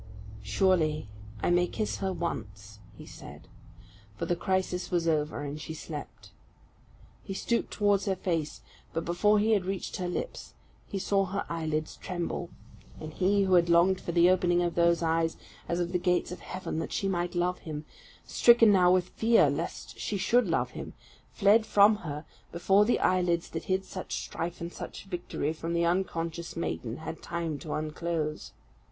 "Surely I may kiss her once," he said. For the crisis was over, and she slept. He stooped towards her face, but before he had reached her lips he saw her eyelids tremble; and he who had longed for the opening of those eyes, as of the gates of heaven, that she might love him, stricken now with fear lest she should love him, fled from her, before the eyelids that hid such strife and such victory from the unconscious maiden had time to unclose.